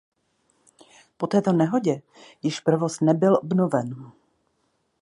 Po této nehodě již provoz nebyl obnoven.